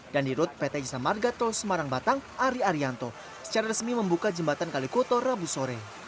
dan dirut pt jisa marga tol semarang batang ari arianto secara resmi membuka jembatan kalikuto rabu sore